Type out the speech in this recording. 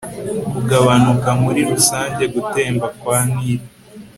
kugabanuka muri rusange gutemba kwa nili